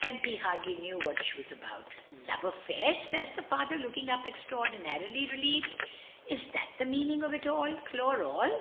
Tempy hardly knew what she was about" "Love affairs!" says the father, looking up extra ordinarily relieved. "Is that the meaning of it all? Chloral!